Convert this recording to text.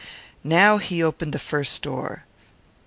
Then he opened the first door.